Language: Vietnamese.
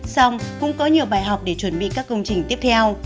xong cũng có nhiều bài học để chuẩn bị các công trình tiếp theo